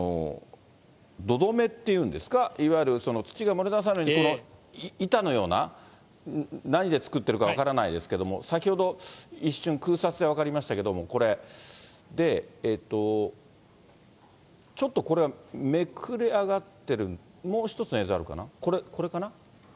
土留めっていうんですか、いわゆる土が漏れ出さないようにこの板のような、何で作ってるか分からないですけど、先ほど一瞬、空撮で分かりましたけども、これ、ちょっとこれ、めくれ上がってる、もう１つの映像あるかな、これ、これかな。